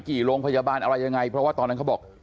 โรงพยาบาลอะไรยังไงเพราะว่าตอนนั้นเขาบอก